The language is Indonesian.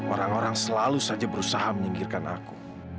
orang orang selalu saja berusaha menyingkirkan aku